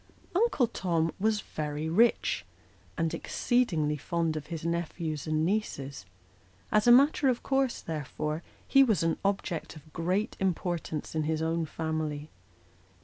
Uncle Tom was very rich, and exceedingly fond of his nephews and nieces : as a matter of course, therefore, ho was an object of great importance in his own family.